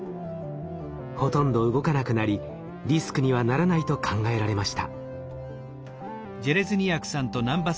ほとんど動かなくなりリスクにはならないと考えられました。